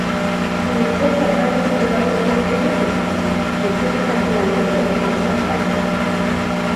На яго сабраліся беларускія селебрыціз, якім не хапіла месцаў на прэс-паказе.